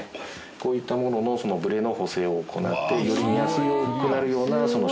こういったもののブレの補正を行ってより見やすくなるような処理を。